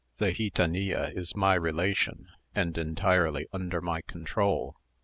The gitanilla is my relation, and entirely under my control.